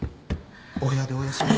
お部屋でお休みに。